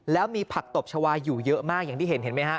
แล้วมีผักตบชาวาอยู่เยอะมากอย่างที่เห็นเห็นไหมฮะ